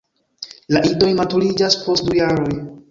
La idoj maturiĝas post du jaroj.